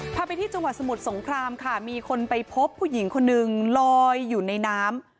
พาไปที่จังหวัดสมุทรสงครามค่ะมีคนไปพบผู้หญิงคนนึงลอยอยู่ในน้ำ